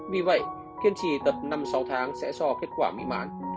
vì vậy kiên trì tập năm sáu tháng sẽ so kết quả mỹ mán